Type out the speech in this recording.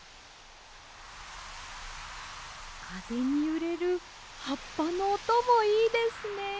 かぜにゆれるはっぱのおともいいですね。